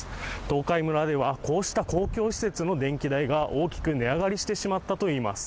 東海村ではこうした公共施設の電気代が大きく値上がりしてしまったといいます。